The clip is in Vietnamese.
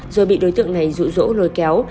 rồi bị đối tượng này rũ rỗ lôi kéo